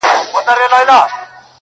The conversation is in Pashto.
مرغۍ الوتې وه، خالي قفس ته ودرېدم .